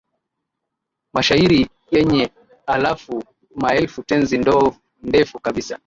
mashairi yenye aya maelfu Tenzi ndefu kabisa